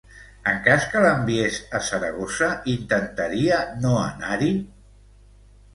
En cas que l'enviés a Saragossa, intentaria no anar-hi?